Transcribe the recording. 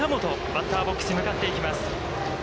バッターボックスに向かっていきます。